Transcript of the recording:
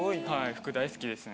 服大好きですね。